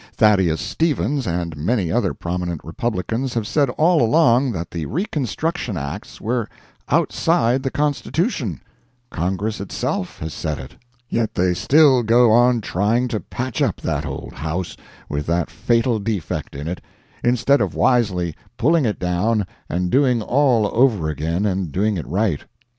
Thaddeus Stevens and many other prominent Republicans have said all along that the Reconstruction Acts were "outside the Constitution;" Congress itself has said it. Yet they still go on trying to patch up that old house, with that fatal defect in it, instead of wisely pulling it down and doing all over again and doing it right.